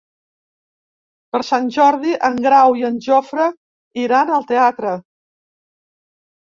Per Sant Jordi en Grau i en Jofre iran al teatre.